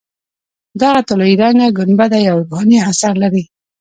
دغه طلایي رنګه ګنبده یو روحاني اثر لري.